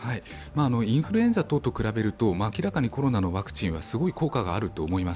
インフルエンザ等と比べると、明らかにコロナのワクチンはすごい効果があると思います。